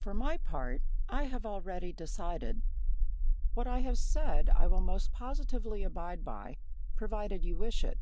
For my part, I have already decided. "What I have said I will most positively abide by, provided you wish it.